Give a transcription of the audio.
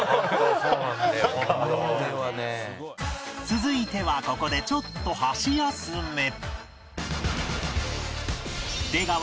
続いてはここでちょっと箸休め